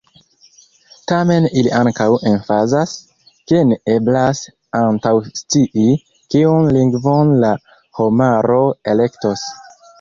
Tamen ili ankaŭ emfazas, ke ne eblas antaŭscii, kiun lingvon la homaro elektos.